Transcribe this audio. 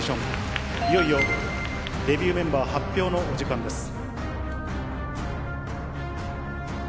いよいよ、デビューメンバー発表のお時間です。